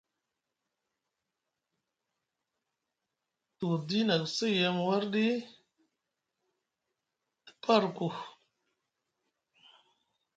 Dudi na ku sa yem wardi te paa arku.